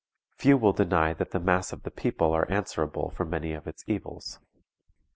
Few will deny that the mass of the people are answerable for many of its evils.